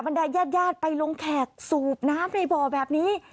มันได้แยดไปลงแขกสูบน้ำในบ่อแบบนี้